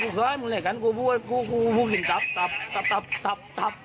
กูขอให้มันไหล่กันกูกินตับ